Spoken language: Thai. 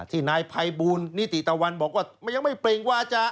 ที่นายภัยบูลนิติตะวันบอกว่ามันยังไม่เปล่งวาจา